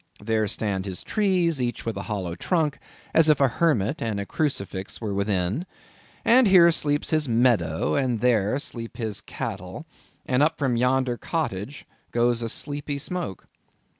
There stand his trees, each with a hollow trunk, as if a hermit and a crucifix were within; and here sleeps his meadow, and there sleep his cattle; and up from yonder cottage goes a sleepy smoke.